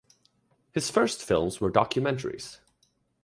His first films were documentaries.